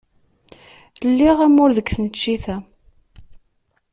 Liɣ amur deg tneččit-a.